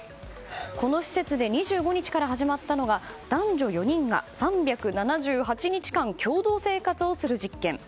この施設で２５日から始まったのが男女４人が３７８日間共同生活をする実験。